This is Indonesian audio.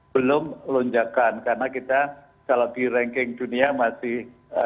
belum lonjakan karena kita kalau di ranking dunia masih